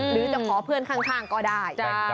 หรือจะขอเพื่อนข้างก็ได้